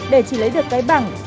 để chỉ lấy được cái bằng